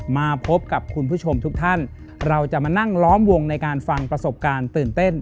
มาพบกับคุณผู้ชมทุกท่านเราจะมานั่งล้อมวงในการฟังประสบการณ์ตื่นเต้น